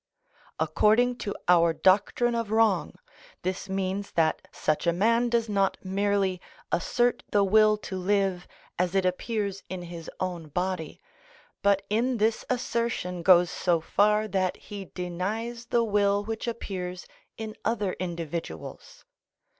According to our doctrine of wrong, this means that such a man does not merely assert the will to live as it appears in his own body, but in this assertion goes so far that he denies the will which appears in other individuals.